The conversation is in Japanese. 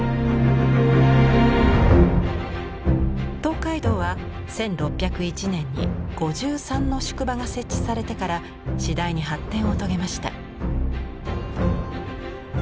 東海道は１６０１年に五十三の宿場が設置されてから次第に発展を遂げました。